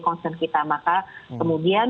concern kita maka kemudian